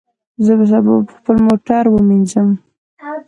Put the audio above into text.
زه به سبا خپل موټر ومینځم.